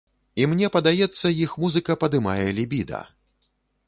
І мне падаецца, іх музыка падымае лібіда.